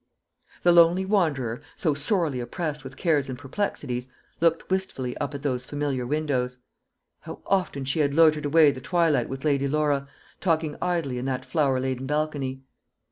The lonely wanderer, so sorely oppressed with cares and perplexities, looked wistfully up at those familiar windows. How often she had loitered away the twilight with Lady Laura, talking idly in that flower laden balcony!